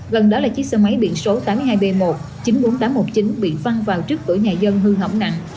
gần đó là chiếc xe máy biển số tám mươi hai b một chín mươi bốn nghìn tám trăm một mươi chín bị văng vào trước cửa nhà dân hư hỏng nặng